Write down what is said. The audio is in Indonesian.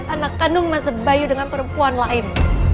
anak kandung mas bayu dari perempuan lain